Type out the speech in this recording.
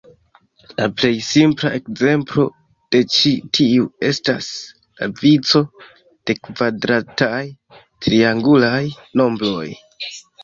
La plej simpla ekzemplo de ĉi tiu estas la vico de kvadrataj triangulaj nombroj.